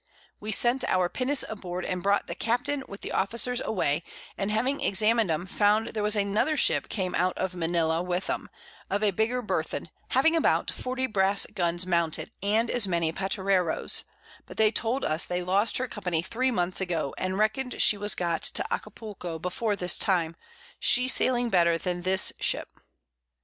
We sent our Pinnace aboard, and brought the Captain with the Officers away, and having examin'd 'em, found there was another Ship came out of Manila with them, of a bigger Burthen, having about 40 Brass Guns mounted, and as many Patereroes; but they told us they lost her Company 3 Months ago, and reckon'd she was got to Acapulco before this time, she sailing better than this Ship.